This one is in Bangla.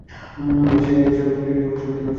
সে বাইরে বসে আছে।